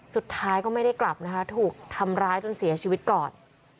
สุดท้ายก็ไม่ได้กลับนะคะถูกทำร้ายจนเสียชีวิตก่อน